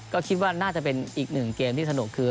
ก็คิดว่าน่าจะเป็นอีกหนึ่งเกมที่สนุกคือ